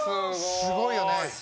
すごいよね。